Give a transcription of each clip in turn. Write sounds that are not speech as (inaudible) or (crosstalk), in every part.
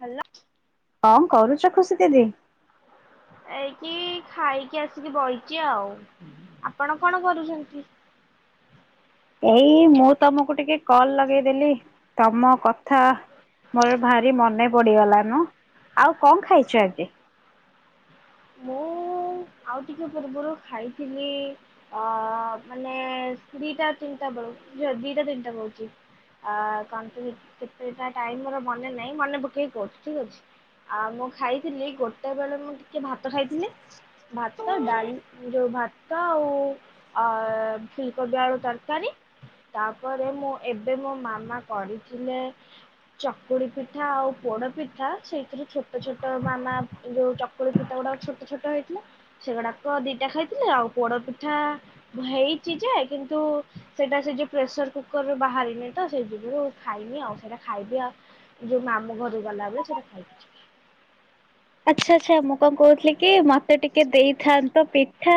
ହେଲା କଣ କରୁଛ ଖୁସି ଦିଦି? ଏଇକି ଖାଇକି ଆସିକି ବହିଛିି ଆଉ ଆପଣ କଣ କରୁଛନ୍ତି? ଏଇ ମୁଁ ତମକୁ ଟିକେ କଲ ଲଗେଇଦେଲି ତମ କଥା ମୋର ଭାରି ମନେ ପଡିଗଲାନୁ ଆଉ କଣ ଖାଇଛୁ ଆଜି? ମୁଁ ଆଉ ଟିକେ ପୂର୍ବରୁ ଖାଇଥିଲି ଅ ମାନେ ଦିଟା ତିନିଟା ବେଳକୁଝ ଦିଟା ତିନିଟା କହୁଛି କୁ କେତେଟ ଟାଇମ ମନେ ନାହିଁ ମନେ ପକେଇକି କହୁଛି ଠିକ ଅଛି ଆ ମୁଁ ଖାଇଥିଲି ଗୋଟେ ବେଳେ ମ ଭାତ ଖାଇଥିଲି ଭାତ ଡାଲି ଯୋଉ ଭାତ ଆଉ ଫୁଲକୋବି ଆଳୁ ତରକାରୀ ତାପରେ ମୁଁ ଏବେ ମୋ ମାମା କରିଥିଲେ ଚକୁଡି ପିଠା ଆଉ ପୋଡ ପିଠା ସେଇଥିରୁ ଛୋଟ ଛୋଟ ମାମା ଯୋଉ (inaudible) ପିଠା ଗୁଡାକ ଛୋଟ ଛୋଟ ହେଇଥିଲା ସେଗୁଡାକ ଦିଟା ଖାଇଥିଲେ ଆଉ ପୋଡ ପିଠା ହେଇଛି ଯେ କିନ୍ତୁ ସେଇଟା ସେ ଯୋଉ ପ୍ରେସର କୁକରରେ ବାହାରିନି ତ ସେଇ ଯୋଗୁ ଖାଇନି ଆଉ ସେଇଟା ଖାଇବି ଆଉ ଯୋଉ ମାମୁ ଘରୁ ଗଲାବେଳେ ସେଇଟା ଖାଇକି ଯିବି ଆଚ୍ଛା ଆଚ୍ଛା ମୁଁ କଣ କହୁଥିଲି କି ସେ ଟିକେ ଦେଇଥାନ୍ତ ତ ପିଠା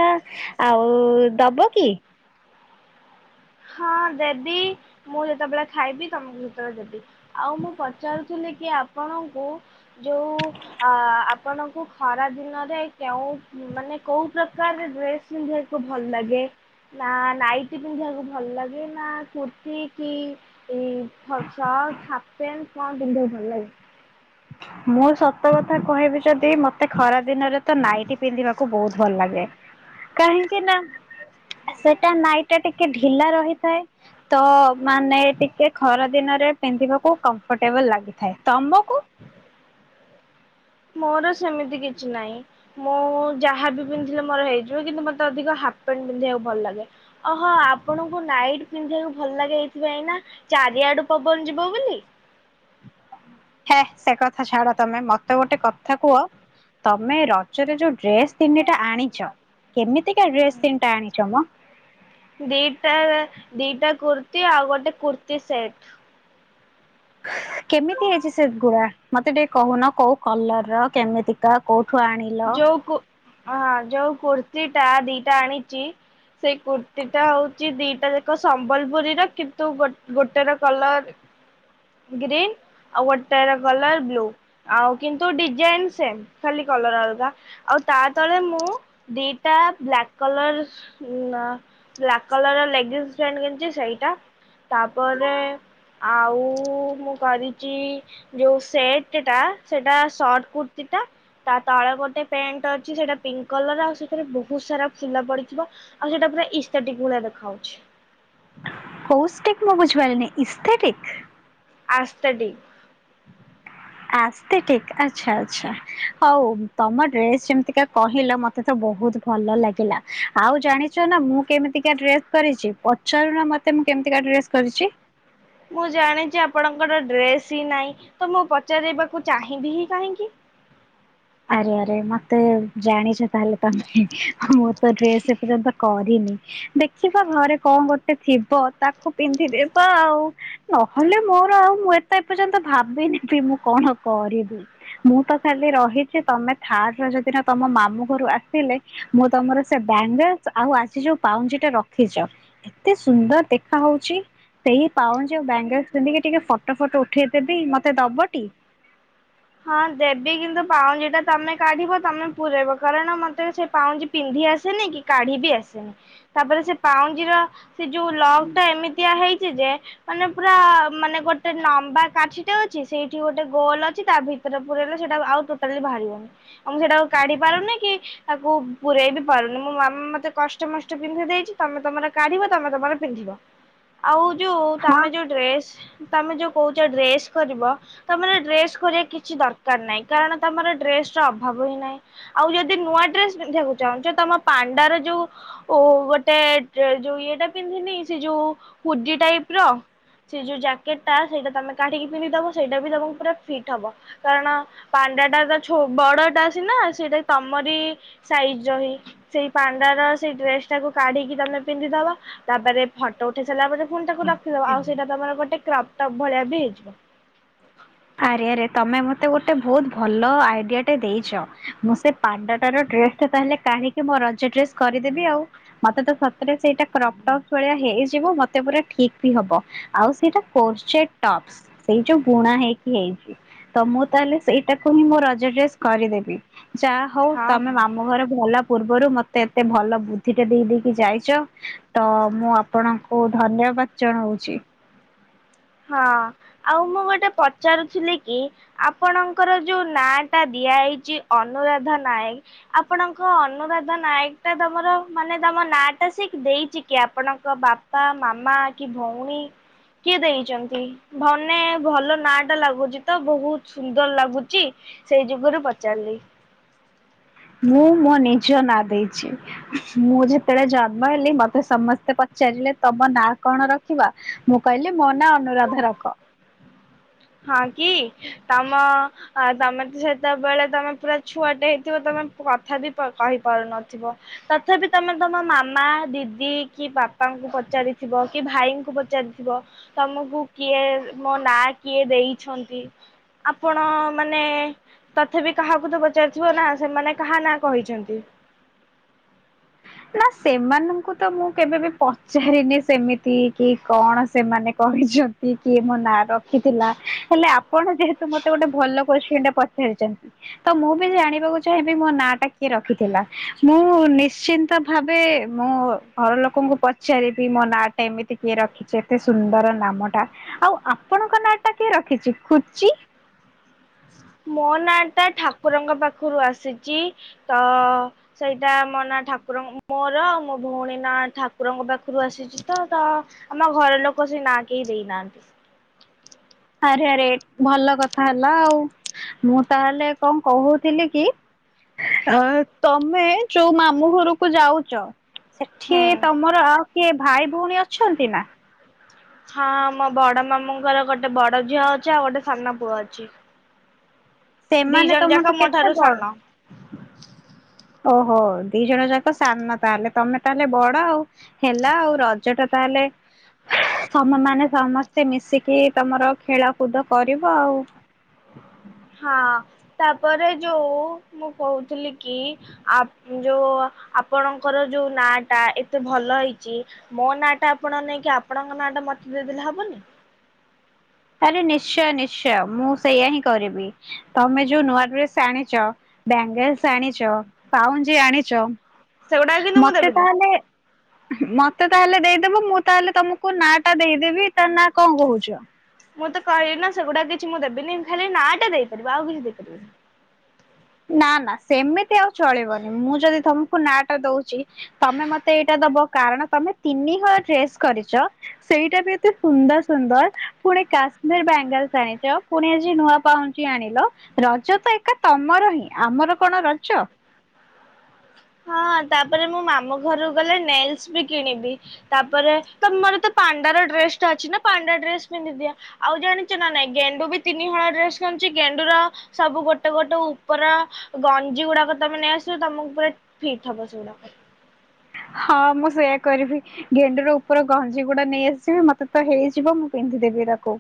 ଆଉ ଦବ କି? ହଁ ଦେବି ମୁଁ ଯେତେବେଳେ ଖାଇବି ତମ ଭିତରେ ଦେବି ଆଉ ମୁଁ ପଚାରୁଥିଲି କି ଆପଣଙ୍କୁ ଯୋଉ ଆପଣଙ୍କୁ ଖରା ଦିନରେ କେଉଁ ମାନେ କୋଉ ପ୍ରକାର ଡ୍ରେସ ପିନ୍ଧିବାକୁ ଭଲ ଲାଗେ ନା ନାଇଟି ପିନ୍ଧିବାକୁ ଭଲ ଲାଗେ ନା କୁର୍ତି କି ସଟ (inaudible) କଣ ପିନ୍ଧିବାକୁ ଭଲ ଲାଗେ? ମୁଁ ସତ କଥା କହିବି ଯଦି ମତେ ଖରା ଦିନରେ ତ ନାଇଟି ପିନ୍ଧିବାକୁ ବହୁତ ଭଲ ଲାଗେ। କାହିଁକି ନା ସେଟା ନାଇଁଟା ଟିକେ ଢିଲା ରହିଥାଏ ତ ମାନେ ଟିକେ ଖରା ଦିନରେ ପିନ୍ଧିବାକୁ କମ୍ଫର୍ଟେବଲ ଲାଗିଥାଏ ତମକୁ? ମୋର ସେମିତି କିଛି ନାହିଁ ମୁଁ ଯାହାବି ପିନ୍ଧିଲେ ମୋର ହେଇଯିବ କିନ୍ତୁ ମତେ ଅଧିକ ହାଫ ପ୍ୟାଣ୍ଟ ପିନ୍ଧିବାକୁ ଭଲ ଲାଗେ ଓହୋ ଆପଣଙ୍କୁ ନାଇଟ ପିନ୍ଧିବାକୁ ଭଲ ଲାଗେ ଏଇଥିପାଇଁ ନା ଚାରିଆଡୁ ପବନ ଯିବ ବୋଲି। ହେ ସେ କଥା ଛାଡ ତମେ ମତେ ଗୋଟେ କଥା କୁହ ତମେ ରଜରେ ଯୋଉ ଡ୍ରେସ ତିନିଟା ଆଣିଛ କେମିତିକାଡ୍ରେସ ତିନଟା ଆଣିଛ ମ? ଦିଟା ଦିଟା କୁର୍ତି ଆଉ ଗୋଟେ କୁର୍ତ୍ତି ସେଟ (inaudible) (inaudible) ଆଣିଲ। ଯୋଉ କୁ ହଁ ଯୋଉଁ କୁର୍ତ୍ତିୀ ଟା ଦିଟା ଆଣିଛି ସେଇ କୁର୍ତିୀଟା ହଉଛି ଦିଟା ଯାଖ ସମ୍ବଲପୁରୀର କିନ୍ତୁ ଗୋଟେ ର କଲର ଗ୍ରୀନ ଆଉ ଗୋଟେ ର କଲର ବ୍ଲୁ ଆଉ କିନ୍ତୁ ଡିଜାଇନ ସେମ ଖାଲି କଲର ଆଉ ଆଉ ତା ତଳେ ମୁଁ ଦିଟା ବ୍ଲାକ କଲର ବ୍ଲାକ କଲର ଲେଗେସ ଆଉ ମୁଁ କରିଛି ଯୋଉ ସେଟ ଟା ସେଟା ସେଟ କୃତୀ ଟା ତା ତଳେ ଗୋଟେ ପ୍ୟାଣ୍ଟ ଅଛି ସେଟା ପିଙ୍କ କଲର ଆଉ ସେଥିରେ ବହୁତ ସାରା ଫୁଲ ପଡିଥିବ ଆଉ ସେଟା ପୁରା ଇଷ୍ଟାକି ଭଲି ଦେଖ ଯାଉଛି। କୌଷ୍ଟିକ ମୁଁ ବୁଝିପାରିଲିନି ଇଷ୍ଟାକି। ଆସ୍ତଡ଼ି ଆଷ୍ଟେଷ୍ଟିକି ଆଛା ଆଚ୍ଛା ହଉ ତମ ଡ୍ରେସ ଯେମିତିକା କହିଲ ମତେ ତ ବହୁତ ଭଲ ଲାଗିଲା ଆଉ ଜାଣିଛ ନା ମୁଁ କେମିତିକା ଡ୍ରେସ କରିଛି ପଚାରୁ ନା ମତେ ମୁଁ କେମିତିକା ଡ୍ରେସ୍ କରିଛି। ମୁଁ ଜାଣିଛି ଆପଣଙ୍କର ଡ୍ରେସ ହିଁ ନାହିଁ ତ ମୁଁ ପଚାରବାକୁ ଚାହିଁବି ହିଁ କାହିଁକି। ଆରେ ଆରେ ମତେ ଜାଣିଛ ତାହେଲେ (inaudible) ଡ୍ରେସ ଏପର୍ଯ୍ୟନ୍ତ କରିନି ଦେଖିବା ଘରେ କଣ ଗୋଟେ ଥିବ ତାକୁ ପିନ୍ଧିଦବା ଆଉ ନହେଲେ ମୋର ଆଉ ମୁଁ ଏତ ଏପର୍ଯ୍ୟନ୍ତ ଭାବିନି ମୁଁ କଣ କରିବି ମୁଁ ତ ଖାଲି ରହିଛି। ତମେ ଥାର୍ଡ ର ଯଦି ତମ ମାମୁଁ ଘରୁ ଆସିଲେ ମୁଁ ତମର ସେ ବଙ୍ଗଲସ ଆଉ ଆଜି ଯୋଉ ପାଉଞ୍ଜି ଟା ରଖିଛ ଏତେ ସୁନ୍ଦର ଦେଖା ହଉଛି ସେଇ ପାଉଁଜି ଆଉ ବ୍ୟାଙ୍ଗଲସ ପନ୍ଧିକି ଟିକେ ଫଟୋ ଫଟୋ ଉଠେଇଦବି ମତେ ଦବ? ହଁ ଦେବି କିନ୍ତୁ ପାଉଜି ତମେ କାଢିବ ତମେ ପୁରାଇବ କାରଣ ମତେ ସେ ପାଉଁଜି ପିନ୍ଧି ଆସେନି କି କାଢି ବିି ଆସେନି ତାପରେ ସେ ପାଉଁଜିର ସେ ଯେଉଁ ଲଗଟା ଏମିତିଆ ହେଇଛି ଯେ ମାନେ ପୁରା ମାନେ ଗୋଟେ ଲମ୍ବା କାଠିଟେ ଅଛି ସେଇଠି ଗୋଟେ ଗୋଲ ଅଛି ତା ଭିତରେ (inaudible) ପୁରେଇଲେ ସେଟା ଆଉତୋଟାଳି ବାହାରିବନି ଆ ମୁଁ ସେଇଟାକୁ କାଢି ପାରୁନି କି ତାକୁ ପୁରରେଇ ବି ପାରୁନି ମୋ ମାମା ମତେ କଷ୍ଟମଷ୍ଟ ପିନ୍ଧି ଦେଇଛି ତମେ ତମର କାଢିବ ତମେ ତମର ପିନ୍ଧିବ ଆଉ ଯୋଉଁ ହଁ ତମେ ଯୋଉଁ ଡ୍ରେସ ତମେ ଯୋଉ କହୁଛ ଡ୍ରେସ କରିବ ତମେ ଡ୍ରେସ କରିବା କିଛି କିଛି ଦରକାର ନାହିଁ କାରଣ ତମର ଡ୍ରେସ ର ଅଭାବ ହିଁ ନାହିଁ ଆଉ ଯଦି ନୂଆ ଡ୍ରେସ ପିନ୍ଧିବାକୁ ଚାହୁଁଛ ତମ ପାଣ୍ଡାର ଯୋଉ ଗୋଟେ ଯୋଉ ଇଏଟା ପିନ୍ଧିନି ସେ ଯୋଉ ହୁଜି ଟାଇପ ର ସେ ଯୋଉ ଜ୍ୟାକେଟ ଟା ସେଇଟା ତମେ କାଢିକି ପିନ୍ଧିଦବ ସେଇଟା ବି ତମକୁ ପୁର ଫିଟ୍ ହବ। କାରଣ ପାଣ୍ଡାଟା ତ ବଡଟା ସନା ସେଇଟା ତମରି ସାଇଜ ରହି ସେଇ ପାଣ୍ଡାର ସେଇ ଡ୍ରେସ ଟାକୁ କାଢିକି ତମେ ପିନ୍ଧିଦବ ତାପରେ ହଟ ଉେଇ ସାରିଲା ପରେ ଫୁ ତାାକୁ ରଖିଦବ ଆଉ ସେଇଟା ତମର ଗୋଟେ କ୍ରାପଟା ଭଳିଆ ଭେଜିବା ଆରେ ଆରେ ତମେ ମତେ ଗୋଟେ ବହୁତ ଭଲ ଆଇଡିଆ ଟେ ଦେଇଛ ମୁଁ ସେ ପାଣ୍ଡାର ଡ୍ରେସ ଟା ତାହେଲେ କାଢଣିକି ମ ରଜ ଡ୍ରେସ୍ କରିଦେବି ଆଉ ମତେ ତ ସତରେ ସେଇଟା କପ ଟପ ଭଳିଆ ହେଇଯିବ ମତେ ପୁରା ଠିକ ବି ହବ ଆଉ ସେଇଟା କରପସ ସେଇ ଯୋଉ ଗୁଣା ହେଇକ ହେଇଛି ତ ମୁଁ ତାହେଲେ ସେଇଟାକୁ ହିଁ ମୁଁ ରଜ ଡ୍ରେସ କରିଦେବି ଯାହା ହଉ ହଁ ତମେ ହଁ। ମାମ ଘରେ ଭଲ। ପୂର୍ବରୁ ମତେ ଏତେ ଭଲ ବୁଦ୍ଧିଟା ଦେଇ ଦେଇକି ଯାଇଛ ତ ମୁଁ ଆପଣଙ୍କୁ ଧନ୍ୟବାଦ ଜଣାଉଛି। ହଁ ଆଉ ମୁଁ ଗୋଟେ ପଚାରୁଥିଲି କି ଆପଣଙ୍କର ଯୋଉ ନାଁ ଟା ଦିଆ ହୋଇଛି ଅନୁରାଧା ନାୟକ ଆପଣଙ୍କ ଅନୁରାଧା ନାୟକ ଟା ତମର ମାନେ ତମ ନାଁ ଟା ସେ ଦେଇଛି କି ଆପଣଙ୍କ ବାପା ମାମା କି ଭଉଣୀ କିଏ ଦେଇଛି। ମାନେ ଭଲ ନା ଟା ଲାଗୁଛି ତ ବହୁତ ସୁନ୍ଦର ଲାଗୁଛି ସେଇ ଯୁଗରୁ ପଚାରିଲି ମୁଁ ମୋ ନିଜ ନାଁ ଦେଇଛି ମୁଁ ଯେତେବେଳେ ଜନ୍ମ ହେଲି ମତେ ସମସ୍ତେ ପଚାରିଲେ ତମ ନାଁ କଣ ରଖିବା ମୁଁ କହିଲି ମୋ ନାଁ ଅନୁରାଧା ରଖ। ହଁ କି ତମ ତମେ ତ ସେତେବେଳେ ତମେ ପୁରା ଛୁଆଟେ ହେଇଥିବ ତମେ କଥା ବି କହିପାରୁନଥିବ ତଥାପି ତମେ ତମ ମାମା ଦିଦି କି ବାପାଙ୍କୁ ପଚାରିଥିବ କି ଭାଇଙ୍କୁ ପଚାରିଥିବ ତମକୁ କିଏ ମୋ ନା କିଏ ଦେଇଛନ୍ତି ଆପଣ ମାନେ ତଥାପି କାହାକୁ ତ ପଚାରିଥିବ ନା ସେମାନେ କାହା ନା କହିଛନ୍ତି। ନା ସେମାନଙ୍କୁ ତ ମୁଁ କେବେ ବି ପଚାରିନି ସେମିତି କି କଣ ସେମାନେ କହିଛନ୍ତି କିଏ ମୋ ନାଁ ରଖିଥିଲା ହେଲେ ଆପଣ ଯେହେତୁ ମତେ ଗୋଟେ ଭଲ କୋ୍ଚନ ଟା ପଚାରିଛନ୍ତି ତ ମୁଁ ବି ଜାଣିବାକୁ ଚାହିଁବି ମୋ ନାଁ ଟା କିଏ ରଖିଥିଲା ମୁଁ ନିଶ୍ଚି। ତ ଭାବେ ମୁଁ ଘର ଲୋକଙ୍କୁ ପଚାରିବି ମୋ ନାଁ ଟା ଏମିତି କିଏ ରଖିଛି ଏତେ ସୁନ୍ଦର ନାମ ଟା ଆଉ ଆପଣଙ୍କ ନାଁ ଟା କିଏ ରଖିଛି ଖୁଚି। ମୋ ନାଁ ଟା ଠାକୁରଙ୍କ ପାଖରୁ ଆସିଛି ତ ସେଇଟା ମୋ ନାଁ ଠାକୁର ମୋର ଆଉ ମୋ ଭଉଣୀ ନା ଠାକୁରଙ୍କ ପାଖରୁ ଆସିଛି ତ ତ ଆମ ଘର ଲୋକ ସେ ନାଁ କେହି ଦେଇନାହାନ୍ତି। ଆରେ ଆରେ ଭଲ କଥା ହେଲା ଆଉ ମୁଁ ତାହେଲେ କଣ କହୁଥିଲି କି ତମେ ଯୋଉ ମାମୁଁ ଘରକୁ ଯାଉଛ। ସେଠି ହୁଁ ତମର କିଏ ଭାଇ ଭଉଣୀ ଅଛନ୍ତି ନା। ହଁ ମୋ ବଡ ମାମୁଙ୍କର ଗୋଟେ ବଡ ଝିଅ ଅଛି ଆଉ ଗୋଟେ ସାନ ପୁଅ ଅଛି। ଦି ସେମାନେ ଜଣ ଯାକ ତମଠୁ ମୋ କେତେ ଠାରୁ ବଡ ସାନ (inaudible) ଓହୋ ଦି ଜଣ ଯାକ ସାନ ତାହେଲେ ତମେ ତାହେଲେ ବଡ ଆଉ ହେଲା ଆଉ ରଜଟା ତାହେଲେ ତମ ମାନେ ସମସ୍ତେ ମିଶିକି ତମର ଖେଳକୁଦ କରିବ ଆଉ। ହଁ ତାପରେ ଯୋଉ ମୁଁ କହୁଥିଲି କି ଯୋଉ ଆପଣଙ୍କର ଯୋଉ ନା ଟା ଏତେ ଭଲ ହେଇଛି ମୋ ନା ଟା ଆପଣ ନେଇକି ଆପଣଙ୍କ ନାଁ ଟା ମତେ ଦେଇଦେଲେ ହବନି। ନିଶ୍ଚୟ ନିଶ୍ଚୟ ମୁଁ ସେଇଆ ହିଁ କରିବି ତମେ ଯୋଉ ନୂଆ ଡ୍ରେସ ଆଣିଛ ବେଙ୍ଗଲସ ଆଣିଛ ପାଉ୍ଜି ଆଣିଛ। ସେଗୁଡା କିନ୍ତୁ ମୁଁ ମତେ ଦେବିନି। ତାହେଲେ ମତେ ତାହେଲେ ଦେଇଦବ ମୁଁ ତାହେଲେ ତମକୁ ନା ଟା ଦେଇଦେବି ତା ନା କଣ କହୁଛ? ମୁଁ ତ କହିବି ନା ସେଗୁଡା କିଛି ମୁଁ ଦେବିନି ଖାଲି ନାଟା ଦେଇପାରିବି ଆଉ କିଛି ଦେଇପାରିବନି। ନା ନା ସେମିତି ଆଉ ଚଳିବନି ମୁଁ ଯଦି ତମକୁ ନାଟା ଦଉଛି ତମେ ମତେ ଏଇଟା ଦବ କାରଣ ତମେ ତିନିହର ଡ୍ରେସ୍ କରିଛ ସେଇଟା ବି ଏତେ ସୁନ୍ଦର ସୁନ୍ଦର ପୁଣି କାଶ୍ମୀର ବାଙ୍ଗାଲସ ଆଣିଛ ପୁଣି ଆଜି ନୂଆ ପାହଞ୍ଚ ଆଣିଲ ରଜ ତ ଏକା ଆମର ହିଁ ଆମର କଣ ରଛ? ହଁ ତାପରେ ମୁୋ ମାମୁ ଘରକୁ ଗଲେ ନେଲସ ବି କିଣିବି ତାପରେ ତ ମୋର ତ ପାଣ୍ଡାର ଡ୍ରେସ ଟା ଅଛି ନା ପାଣ୍ଡା ଡ୍ରେସ ପିନ୍ଧିଦିଅ ଆଉ ଜାଣିଛ ନା ନାଇଁ ଗେଣ୍ଡୁ ବି ତିନି ହଣ ଡ୍ରେସ୍ କିଣୁଛି ଗେଣ୍ଡ ର ସବୁ ଗୋଟେ ଗୋଟେ ଉପର ଗଞ୍ଜି ଗୁଡାକ ତମେ ନେଇଆସିଲ ତମକୁ ପ ଫିଟ ବ ସନାଖ ହଁ ମୁଁ ସେଇୟା କରିବି ଗେଣ୍ଡୁରୁର ଉପର ଗଞ୍ଜି ଗୁଡା ନେଇ ଆସିଯିବି ମତେ ତ ହେଇଯିବ ମୁଁ ପିନ୍ଧିଦେବି ତାକୁ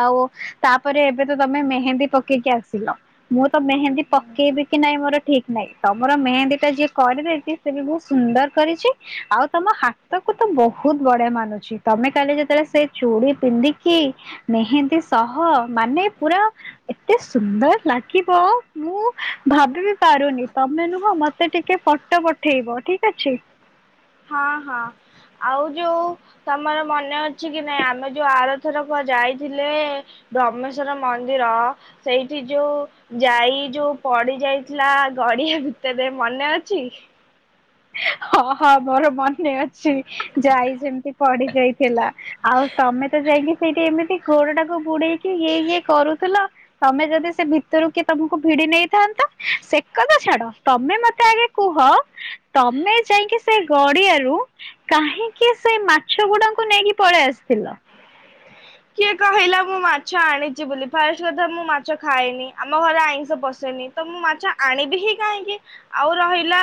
ଆଉ ତାପରେ ଏବେ ତ ତମେ ମେହେନ୍ଦୀ ପକେଇକି ଆସିଲ ମୁଁ ତ ମେହେନ୍ଦୀ ପକେଇବି କି ନାଇଁ ମୋର ଠିକ ନାଇଁ ତମର ମେନ୍ଦୀ ଟା ଯିଏ କରିଦେଇଛି ସେ ବି ବହୁତ ସୁନ୍ଦର କରିଛି ଆଉ ତମ ହାତକୁ ତ ବହୁତ ବଢିଆ ମାନୁଛି ତମେ କାଲି ଯେତେବେଳେ ସେ ଚୁଡି ପିନ୍ଧିକି ନେହନ୍ଦ ସହ ମାନେ ପୁରା ଏତେ ସୁନ୍ଦର ଲାଗିବ ମୁଁ ଭାବି ବିି ପାରୁନି ତମେ ନୁହଁ ମତେ ଟିକେ ଫଟୋ ପଠେଇବ ଠିକ ଅଛି। ହଁ ହଁ ଆଉ ଯୋଉ ତମର ମନେ ଅଛି କି ନାଇଁ ଆମେ ଯୋଉ ଆରଥରକୁୁ ଯାଇଥିଲେ ବ୍ରହ୍ମେଶ୍ୱଵର ମନ୍ଦିର ସେଇଠି ଯୋଉ ଯାଇ ଯୋଉ ପଡି ଯାଇଥିଲା ଗଡିଆ ଭିତରେ ମନେ ଅଛି। ହଁ ହଁ ମୋର ମନେ ଅଛି। ଯାଇ ଯେମିତି ପଡି ଯାଇଥିଲା। ଆଉ ତମେ ତ ଯାଇକି ସେଇଠି ଏମିତି ଘୋଡ ଟାକୁ ବୁଡେଇକି ଇଏ ଇଏ କରୁଥିଲ ତମେ ଯଦି ସେ ଭିତରୁ କିଏ ତମକୁ ଭିଡି ନେଇଥାନ୍ତା ସେ କଥା ଛାଡ ତମେ ମତେ ଆଗେ କୁହ। ତମେ ଯାଇକି ସେ ଗଡିଆରୁ କାହିଁକି ସେ ମାଛ ଗୁଡାଙ୍କୁ ନେଇକି ପଳେଇ ଆସିଥିଲ। କିଏ କହିଲା ମୁଁ ମାଛ ଆଣିଛି ବୋଲି ଫାଷ୍ଟ କଥା ମୁଁ ମାଛ ଖାଏନି ଆମ ଘରେ ଆଇଁଷ ପଶେନି ତ ମୁଁ ମାଛ ଆଣିବି ହିଁ କାହିଁକି ଆଉ ରହିଲା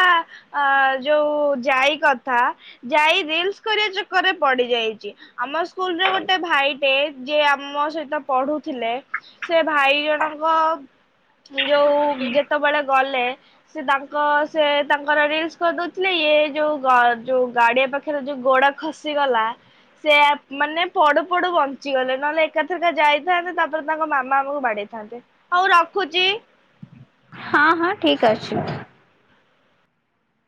ଯୋଉ ଯାଇ କଥାାଇ ର କରିବା ଚକରେ ପଡି ଯାଇଛି। ଆମ ସ୍କୁଲରେ ଗୋଟେ ଭାଇ ଟେ ଯିଏ ଆମ ସହିତ ପଢୁ ଥିଲେ ସେ ଭାଇ ଜଣଙ୍କ ଯୋଉ ଯେତେବେଳେ ଗଲେ ସେ ତାଙ୍କ ସେ ତାଙ୍କର ରିଲସ କରିଦଉଥିଲେ ଇଏ ଯୋଉ ଯୋଉ ଗାଡିଆ ପାଖରେ ଯୋଉ ଗୋଡ ଖସିଗଲା ସେ ମାନେ ପଡୁ ପଡୁ ବଞ୍ଚିଗଲେ ନହେଲେ ଏକାଥର ଏକ ଯାଇଥାନ୍ତେ ତାପରେ ତାଙ୍କ ମାମା ଆମକୁ ବାଡେଇଥାନ୍ତେ ହଉ ରଖୁଛି। ହଁ ହଁ ଠିକ ଅଛି।